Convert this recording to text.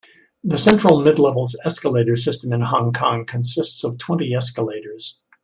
The Central-Midlevels escalator system in Hong Kong consists of twenty escalators.